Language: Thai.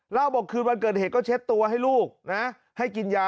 บอกคืนวันเกิดเหตุก็เช็ดตัวให้ลูกนะให้กินยา